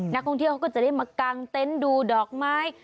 นักท่องเที่ยวเขาก็จะได้มากางเต็นต์ดูดอกไม้